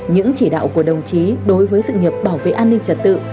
những chỉ đạo của đồng chí đối với sự nghiệp bảo vệ an ninh trật tự